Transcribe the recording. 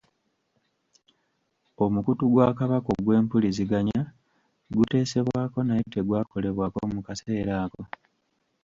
Omukutu gwa Kabaka ogw'empuliziganya guteesebwako naye tegwakolebwako mu kaseera ako.